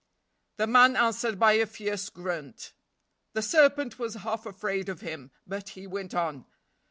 The man answered by a fierce grunt. The serpent was half afraid of him, but he went on.